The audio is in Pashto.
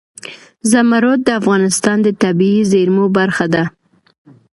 زمرد د افغانستان د طبیعي زیرمو برخه ده.